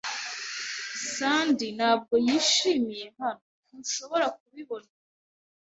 Sandy ntabwo yishimiye hano. Ntushobora kubibona?